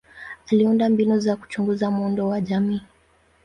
Aliunda mbinu za kuchunguza muundo wa jamii.